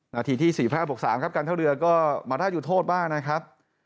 นาทีที่๔๕บวก๓ครับการท่าเรือก็มาได้จุดโทษบ้างนะครับ